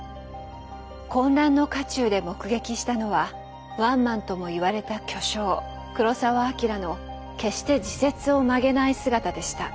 混乱の渦中で目撃したのはワンマンとも言われた巨匠黒澤明の決して自説を曲げない姿でした。